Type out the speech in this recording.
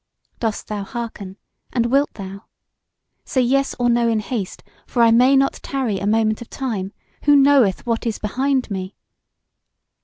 Dost thou hearken, and wilt thou? Say yes or no in haste, for I may not tarry a moment of time. Who knoweth what is behind me?"